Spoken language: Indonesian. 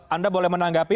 anda boleh menanggapi